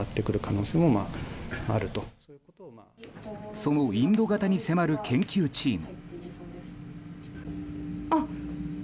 そのインド型に迫る研究チーム。